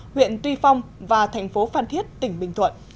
huyện tuy phong và thành phố phan thiết tỉnh bình thuận